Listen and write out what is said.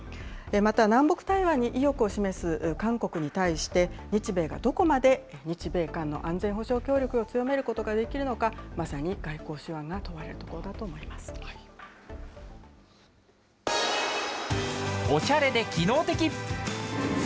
また南北対話に意欲を示す韓国に対して、日米がどこまで日米韓の安全保障協力を強めることができるのか、まさに外交手腕が問われると思います。